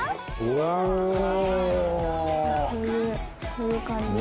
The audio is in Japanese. こういう感じです。